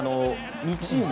２チーム。